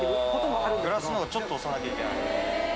グラスのほうがちょっと押さなきゃいけないのか。